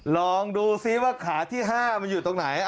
ลองดูซิว่าขาที่๕มันอยู่ตรงไหน